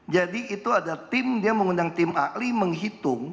jadi itu ada tim dia mengundang tim akli menghitung